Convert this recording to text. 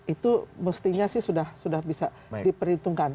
itu mestinya sih sudah bisa diperhitungkan